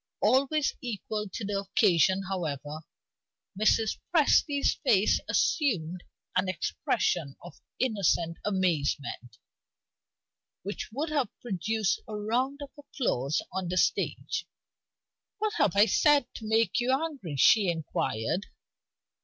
Always equal to the occasion, however, Mrs. Presty's face assumed an expression of innocent amazement, which would have produced a round of applause on the stage. "What have I said to make you angry?" she inquired.